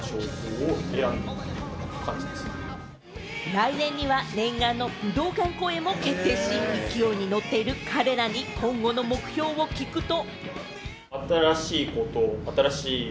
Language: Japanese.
来年には念願の武道館公演も決定し、勢いに乗っている彼らに今後の目標を聞くと。